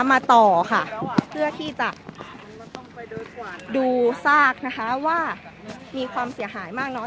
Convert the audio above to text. มาต่อค่ะเพื่อที่จะดูซากนะคะว่ามีความเสียหายมากน้อย